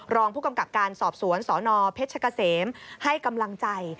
รองผู้กำกับการสอบสวนสนเพชรกะเสมให้กำลังใจ